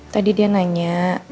tadi dia nanya